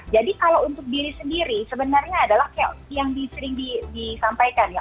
jadi kalau untuk diri sendiri sebenarnya adalah kayak yang sering disampaikan ya